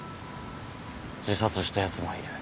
自殺したやつもいる。